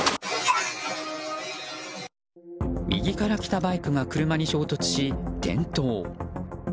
右から来たバイクが車に衝突し、転倒。